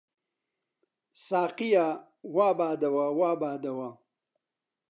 ساقییا! وا بادەوە، وا بادەوە